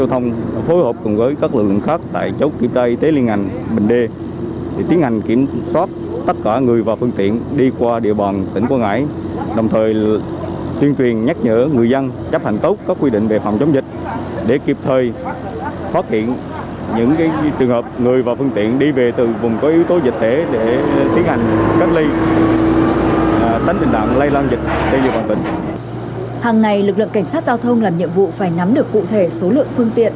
hàng ngày lực lượng cảnh sát giao thông làm nhiệm vụ phải nắm được cụ thể số lượng phương tiện